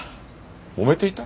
もめていた？